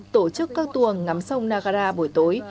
tổ chức các tuồng ngắm sông nagara buổi tối